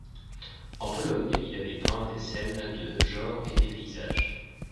En Pologne, il avait peint des scènes de genre et des paysages.